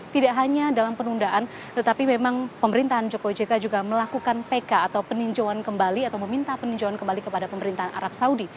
tidak hanya dalam penundaan tetapi memang pemerintahan jokowi jk juga melakukan pk atau peninjauan kembali atau meminta peninjauan kembali kepada pemerintahan arab saudi